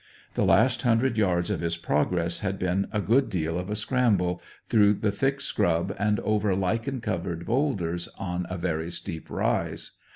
The last hundred yards of his progress had been a good deal of a scramble, through thick scrub and over lichen covered boulders, on a very steep rise.